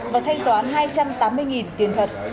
và thanh toán hai trăm tám mươi tiền thật